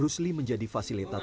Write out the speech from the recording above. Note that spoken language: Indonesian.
rusli menjadi fasilitator kesehatan